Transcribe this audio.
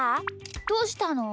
どうしたの？